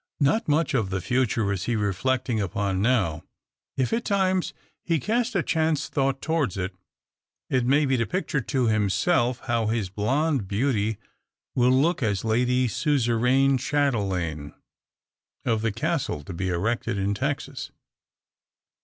Not much of the future is he reflecting upon now. If, at times, he cast a chance thought towards it, it may be to picture to himself how his blonde beauty will look as lady suzeraine chatelaine of the castle to be erected in Texas.